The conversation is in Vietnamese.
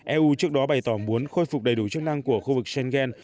eu trước đó bày tỏ muốn khôi phục đầy đủ chức năng của khu vực schengen